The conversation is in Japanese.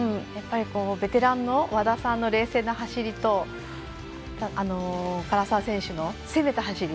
ベテランの和田さんの冷静な走りと唐澤選手の攻めた走り